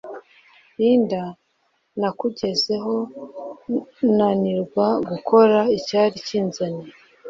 Linda nakugezeho nanirwa gukora icyari kinzanye